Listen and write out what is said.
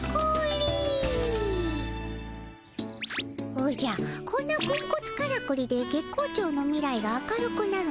おじゃこんなポンコツからくりで月光町の未来が明るくなるのかの？